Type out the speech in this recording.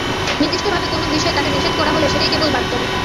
নির্দিষ্টভাবে কোনো বিষয়ে তাকে নিষেধ করা হলে সেটাই কেবল বাদ যাবে।